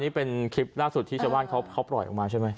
นี่เป็นคลิปล่าสุดที่ชาวบ้านเขาปล่อยออกมาใช่ไหม